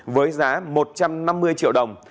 với giá một trăm năm mươi triệu đồng